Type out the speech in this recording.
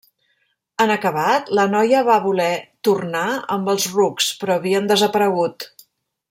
En acabat, la noia va voler tornar amb els rucs però havien desaparegut.